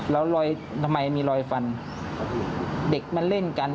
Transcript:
แล้วรอยทำไมมีรอยฟันเด็กมาเล่นกัน